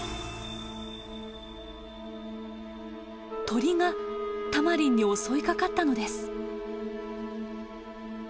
鳥がタマリンに襲いかかったのです。